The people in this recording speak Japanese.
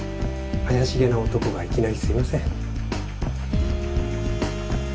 怪しげな男がいきなりすいません。